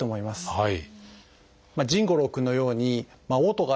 はい。